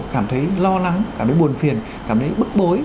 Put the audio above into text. cảm thấy lo lắng cảm thấy buồn phiền cảm thấy bức bối